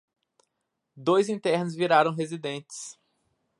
Dois internos viraram residentes